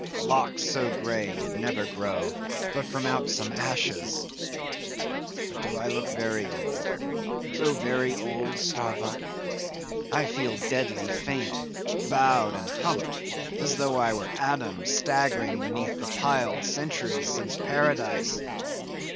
Locks so grey did never grow but from out some ashes! But do I look very old, so very, very old, Starbuck? I feel deadly faint, bowed, and humped, as though I were Adam, staggering beneath the piled centuries since Paradise.